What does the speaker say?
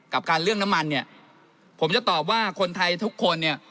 กับการเรื่องน้ำมันเนี่ยผมจะตอบว่าคนไทยทุกคนเนี่ย